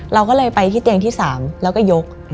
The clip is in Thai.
เราก็เลยไปที่เตียงที่๓แล้วก็ยก